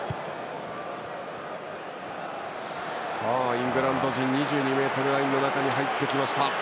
イングランド陣２２ｍラインに入ってきました。